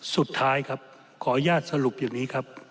สุดท้ายครับขออนุญาตสรุปอย่างนี้ครับ